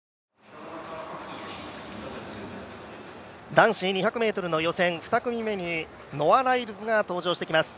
男子２００ｍの予選、２組目にノア・ライルズが登場してきます。